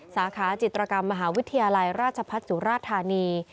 สาขาจิตรกรรมมหาวิทยาลัยราชพัฒน์สุราธานี